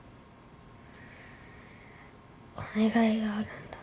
お願いがあるんだ。